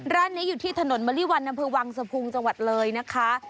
ร้านนี้อยู่ที่ถนนมณีวรรณพฤวังสะพูงจังหวัดเลยนะคะ